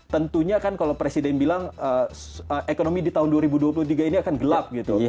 tentunya kan kalau presiden bilang ekonomi di tahun dua ribu dua puluh tiga ini akan gelap gitu